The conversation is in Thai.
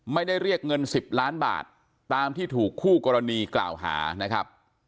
ไม่ได้เรียกเงิน๑๐ล้านบาทตามที่ถูกคู่กรณีกล่าวหานะครับ